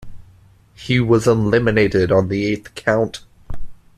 He was eliminated on the eighth count.